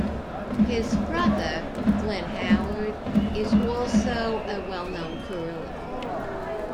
His brother, Glenn Howard, is also a well known curler.